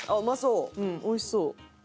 うんおいしそう。